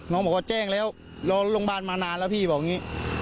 น้องบอกว่าแจ้งแล้วรอโรงพยาบาลมานานแล้วพี่บอกอย่างนี้